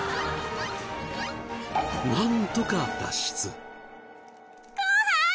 なんとか脱出。